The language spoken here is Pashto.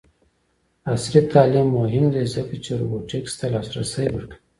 عصري تعلیم مهم دی ځکه چې روبوټکس ته لاسرسی ورکوي.